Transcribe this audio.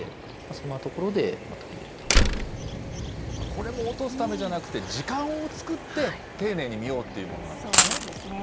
これも落とすためじゃなくて、時間を作って丁寧に見ようというものなんですね。